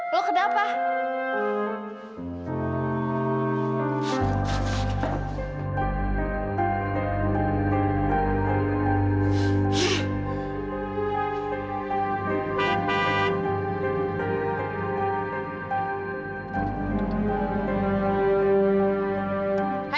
lo kena apa